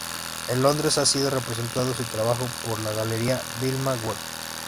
En Londres ha sido representado su trabajo por la galería Vilma Gold.